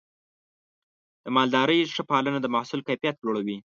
د مالدارۍ ښه پالنه د محصول کیفیت لوړوي.